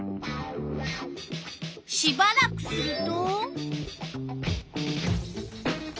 しばらくすると。